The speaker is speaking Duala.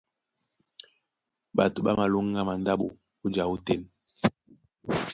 Ɓato ɓá malóŋgá mandáɓo ó ja ótên.